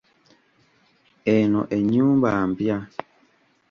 Eno ennyumba mpya.